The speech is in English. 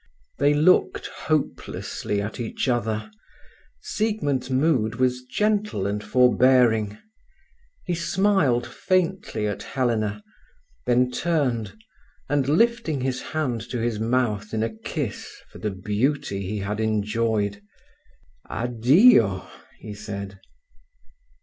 They looked hopelessly at each other, Siegmund's mood was gentle and forbearing. He smiled faintly at Helena, then turned, and, lifting his hand to his mouth in a kiss for the beauty he had enjoyed, "Addio!" he said.